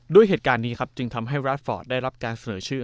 ด้วยเหตุการณ์นี้ครับจึงทำให้รัฐฟอร์ดได้รับการเสนอชื่อ